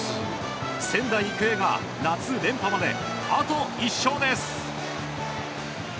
仙台育英が夏連覇まであと１勝です。